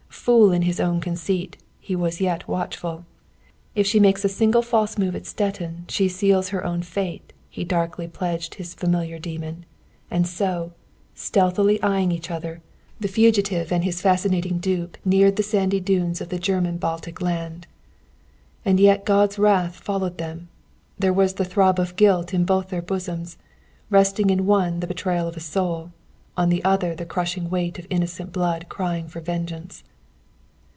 Fool in his own conceit, he was yet watchful. If she makes a single false move at Stettin, she seals her own fate, he darkly pledged his familiar demon. And so, stealthily eying each other, the fugitive and his fascinating dupe neared the sandy dunes of the German Baltic land. And yet God's wrath followed them. There was the throb of guilt in both their bosoms, resting in one the betrayal of a soul, on the other the crushing weight of innocent blood crying for vengeance.